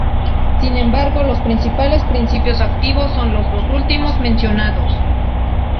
Sin embargo, los principales principios activos son los dos últimos mencionados.